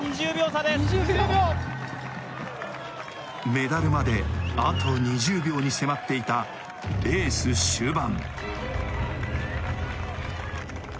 メダルまであと２０秒に迫っていたレース終盤。